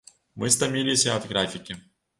Мы стаміліся ад графікі.